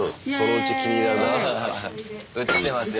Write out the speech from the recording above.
やってますよ。